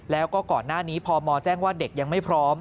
แล้วก็ก่อนหน้านี้พมแจ้งว่าเด็กยังไม่พร้อม